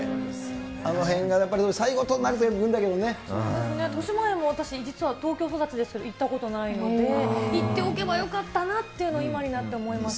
あのへんがやっぱり、としまえんも私、実は東京育ちですけど、行ったことないので、行っておけばよかったなというのを、今になって思います。